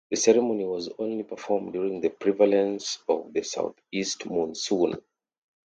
The ceremony was only performed during the prevalence of the southeast monsoon.